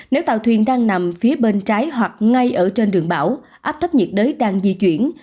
nếu tàu thuyền đang nằm phía bên trái hoặc ngay ở trên đường bão áp thấp nhiệt đới đang di chuyển